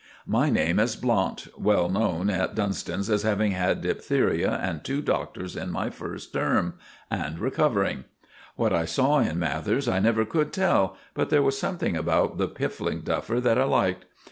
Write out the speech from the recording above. My name is Blount, well known at Dunstan's as having had diphtheria and two doctors in my first term, and recovering. What I saw in Mathers I never could tell, but there was something about the piffling duffer that I liked.